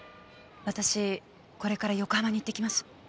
私これから横浜に行ってきます。